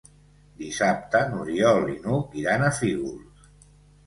Dissabte n'Oriol i n'Hug iran a Fígols.